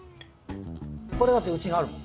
これだってうちにあるもん。